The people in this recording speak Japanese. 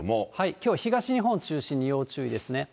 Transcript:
きょう、東日本中心に要注意ですね。